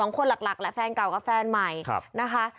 ๒คนหลักแหละแฟนเก่ากับแฟนใหม่นะคะ